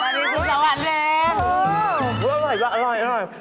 แต่ตอนนี้คือสวรรค์แดง